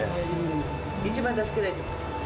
一番助けられてます。